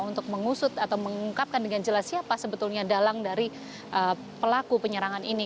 untuk mengusut atau mengungkapkan dengan jelas siapa sebetulnya dalang dari pelaku penyerangan ini